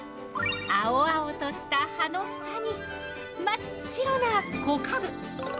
青々とした葉の下に、真っ白な小かぶ。